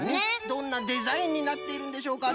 どんなデザインになっているんでしょうか？